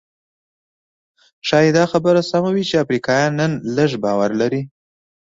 ښايي دا خبره سمه وي چې افریقایان نن لږ باور لري.